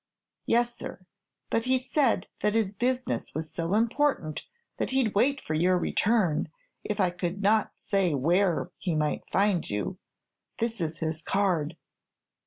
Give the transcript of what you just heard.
"Yes, sir; but he said that his business was so important that he 'd wait for your return, if I could not say where he might find you. This is his card."